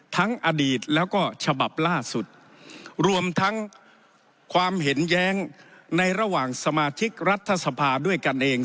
ทั้งอดีตแล้วก็ฉบับล่าสุดรวมทั้งความเห็นแย้งในระหว่างสมาชิกรัฐสภาด้วยกันเอง